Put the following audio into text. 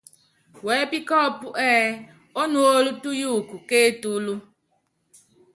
Wɛ́pí kɔ́ɔ́pú ɛ́ɛ: Ónuóló túyuukɔ ké etúlú.